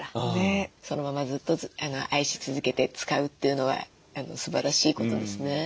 そのままずっと愛し続けて使うというのはすばらしいことですね。